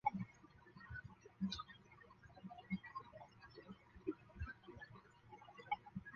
长岭经济开发区是下辖的一个类似乡级单位。